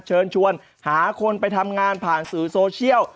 เชิญชวนหาคนไปทำงานผ่านสื่อโซเชียล